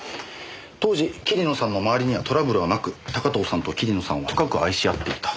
当時桐野さんの周りにはトラブルはなく高塔さんと桐野さんは深く愛し合っていた。